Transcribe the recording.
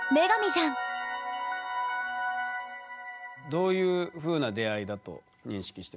どういうふうな出会いだと認識してますか？